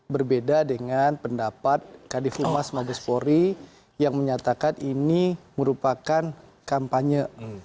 berbeda dengan pendapat kadif umas mabes polri yang menyatakan ini merupakan kampanye